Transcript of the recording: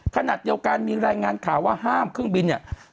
ขณะเดียวกันมีรายงานข่าวว่าห้ามเครื่องบินเนี่ย